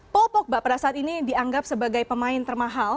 paul pogba pada saat ini dianggap sebagai pemain termahal